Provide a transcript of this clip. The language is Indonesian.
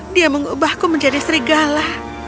dia mengubahku menjadi serigala